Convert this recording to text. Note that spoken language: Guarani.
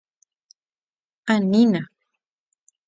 ¡Anína!